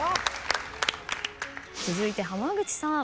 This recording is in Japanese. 続いて浜口さん。